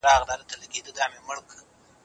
د روم پخواني خدایان هېڅ قدرت نه لري.